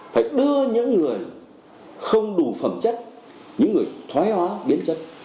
phải đưa những người không đủ phẩm chất những người thoái hóa biến chất